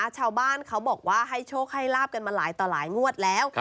ชาวบ้านเขาบอกว่าให้โชคให้ลาบกันมาหลายต่อหลายงวดแล้ว